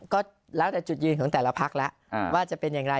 ก็แล้วแต่จุดยืนของแต่ละพักแล้วว่าจะเป็นอย่างไร